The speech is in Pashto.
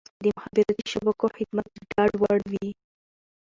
د مخابراتي شبکو خدمات د ډاډ وړ وي.